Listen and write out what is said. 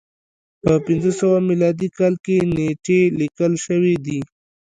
په پنځه سوه میلادي کال کې نېټې لیکل شوې دي.